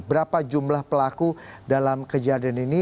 berapa jumlah pelaku dalam kejadian ini